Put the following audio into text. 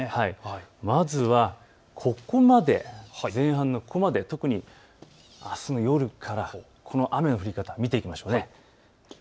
まずはここまで、前半のここまで特にあすの夜から雨の降り方を見ていきましょう。